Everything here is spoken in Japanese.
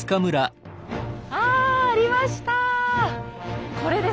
あありました！